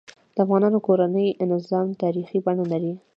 د افغانانو کورنۍ نظام تاریخي بڼه لري.